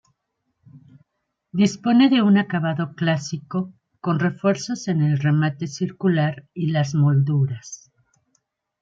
Dispone de un acabado clásico con refuerzos en el remate circular y las molduras.